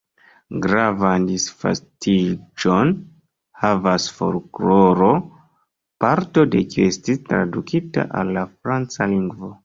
Gravan disvastiĝon havas folkloro, parto de kiu estis tradukita al la franca lingvo.